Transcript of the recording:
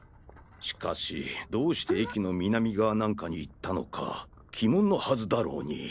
しかしどうして駅の南側なんかに行ったのか鬼門のはずだろうに。